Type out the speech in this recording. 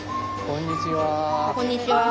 こんにちは。